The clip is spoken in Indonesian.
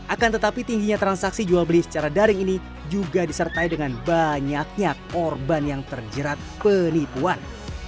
akan tetapi tingginya transaksi jual beli secara daring ini juga disertai dengan banyaknya korban yang terjerat penipuan